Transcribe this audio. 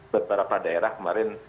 beberapa daerah kemarin